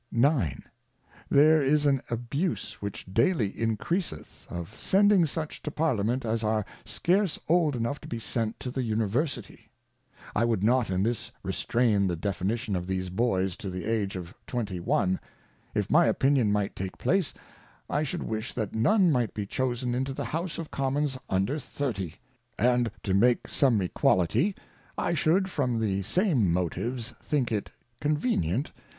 IX. There is an Abuse which daily increaseth, of sending such to Parliament, as are scarce old enough to be sent to the University. I would not in this restrain the Definition of these Boys to the Age of Twenty One : If my Opinion might take place, I should wish that none might be chosen into the House of Commons under Thirty ; and to make some Equality, I should from the same Motives think it convenient.